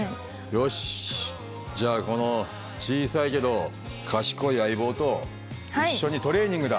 よしじゃあこの小さいけど賢い相棒と一緒にトレーニングだ！